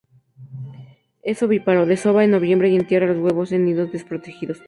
Es ovíparo, desova en noviembre y entierra los huevos en nidos desprotegidos.